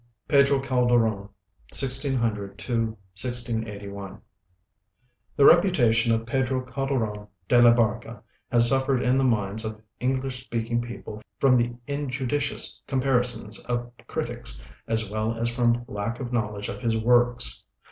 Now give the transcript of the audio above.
PEDRO CALDERON (1600 1681) BY MAURICE FRANCIS EGAN The reputation of Pedro Calderon de la Barca has suffered in the minds of English speaking people from the injudicious comparisons of critics, as well as from lack of knowledge of his works.